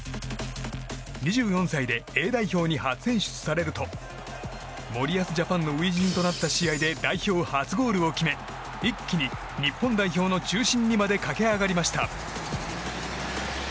２４歳でＡ代表に初選出されると森保ジャパンの初陣となった試合で代表初ゴールを決め一気に日本代表の中心にまで駆け上がりました。